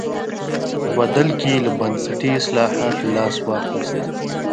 په بدل کې یې له بنسټي اصلاحاتو لاس واخیست.